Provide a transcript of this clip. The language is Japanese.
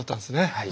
はい。